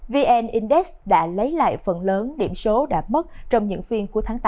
vn index đã lấy lại phần lớn điểm số đã mất trong những phiên cuối tháng tám